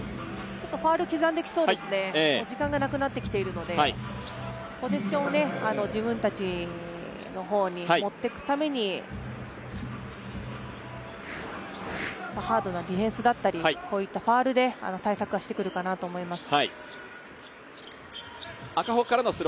ファウル刻んできそうですね、時間がなくなってきているのでポゼッションを自分たちの方に持っていくためにハードなディフェンスだったりこういったファウルで対策してくるかなと思います。